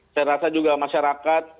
saya rasa juga masyarakat